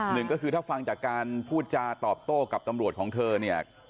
หนึ่งก็คือถ้าฟังจากการพูดจาตอบโต้กับตำรวจของเธอเนี่ย